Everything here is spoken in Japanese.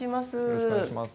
よろしくお願いします。